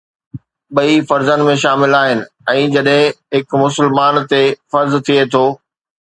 ٻئي فرضن ۾ شامل آهن ۽ جڏهن هڪ مسلمان تي فرض ٿئي ٿو.